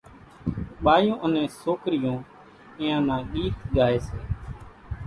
ٻايوُن انين سوڪرِيوُن اينيان نان ڳيت ڳائيَ سي۔